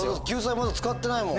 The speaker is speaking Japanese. まだ使ってないもん。